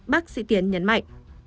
bác sĩ tiến nhấn mạnh